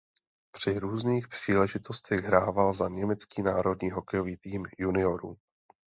Při různých příležitostech hrával za německý národní hokejový tým juniorů.